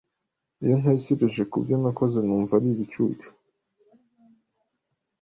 Iyo ntekereje ku byo nakoze, numva ari ibicucu .